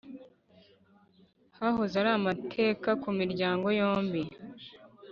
hahoze ari amateka kumiryango yombi